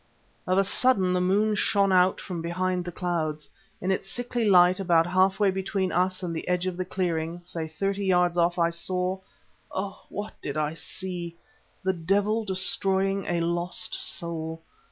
Of a sudden the moon shone out from behind the clouds. In its sickly light about half way between us and the edge of the clearing, say thirty yards off, I saw oh! what did I see! The devil destroying a lost soul.